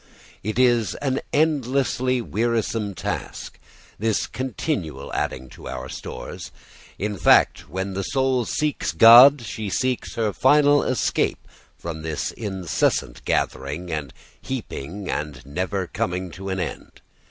It is an endlessly wearisome task, this continual adding to our stores. In fact, when the soul seeks God she seeks her final escape from this incessant gathering and heaping and never coming to an end.